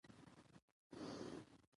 په حجره کښې کوم کوم مشران کښېني؟